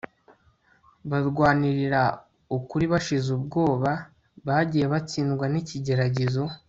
barwanirira ukuri bashize ubwoba bagiye batsindwa nikigeragezo